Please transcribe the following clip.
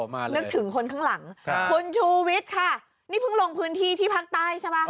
มาเลยคุณชูวิทย์ค่ะนี่เพิ่งลงพื้นที่ที่พักใต้ใช่ป่ะ